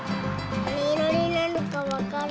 なにいろになるかわかる？